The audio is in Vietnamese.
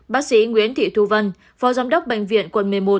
bác sĩ nguyễn thị thu vân phó giám đốc bệnh viện quận một mươi một